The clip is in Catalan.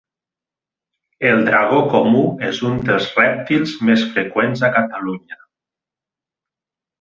El dragó comú és un dels rèptils més freqüents a Catalunya.